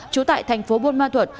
chú tại thành phố bôn ma thuật